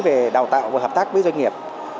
về đào tạo và hợp tác với doanh nghiệp